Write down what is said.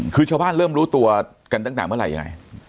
คือชาวบ้านเริ่มรู้ตัวกันตั้งแต่เมื่อไหร่ยังไง